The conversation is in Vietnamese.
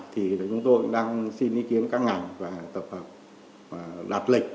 thì chúng tôi đang xin ý kiến các ngành và tập hợp đạt lịch